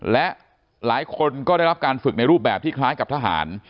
และหลายคนก็ได้รับการฝึกในรูปแบบที่คล้ายกับทหาร